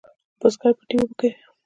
بزگر پټی اوبه کوي.